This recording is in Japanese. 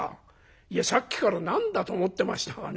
いやさっきから何だと思ってましたがね。